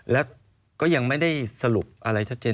แล้วก็ยังไม่ได้สรุปอะไรชัดเจน